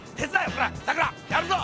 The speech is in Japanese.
ほらさくらやるぞ！